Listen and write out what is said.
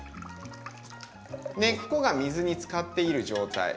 根っこが水につかっている状態。